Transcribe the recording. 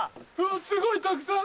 すごいたくさん。